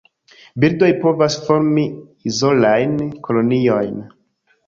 Birdoj povas formi izolajn koloniojn.